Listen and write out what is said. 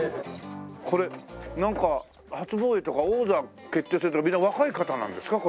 これなんか「初防衛」とか「王座」「決定戦」とかみんな若い方なんですか？